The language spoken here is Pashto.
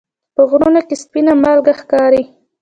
په غرونو کې سپینه مالګه ښکاري.